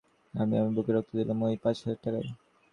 আমি আমার বুকের রক্ত দিলুম, ঐ পাঁচ হাজার টাকায়।